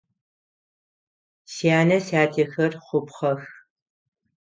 Сянэ-сятэхэр хъупхъэх.